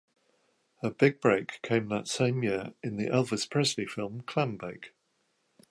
Her big break came that same year in the Elvis Presley film, "Clambake".